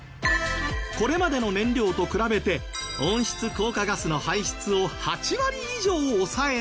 これまでの燃料と比べて温室効果ガスの排出を８割以上抑えられる。